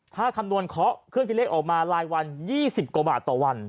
ถ้าคำนวณเคาะเครื่องคิดเลขออกมารายวัน๒๐กว่าบาทต่อวัน